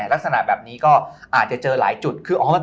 ลักษณะแบบนี้ก็อาจจะเจอหลายจุด